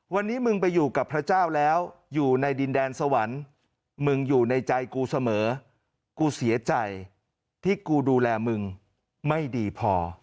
วันนี้มึงไปอยู่กับพระเจ้าแล้วอยู่ในดินแดนสวรรค์มึงอยู่ในใจกูเสมอกูเสียใจที่กูดูแลมึงไม่ดีพอ